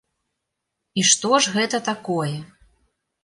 І што ж гэта такое?